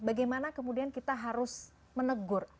bagaimana kemudian kita harus menegur